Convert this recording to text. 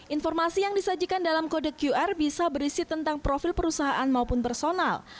informasi yang disajikan dalam kode qr bisa berisi tentang profil perusahaan maupun personal